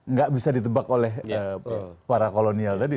nggak bisa ditebak oleh para kolonial tadi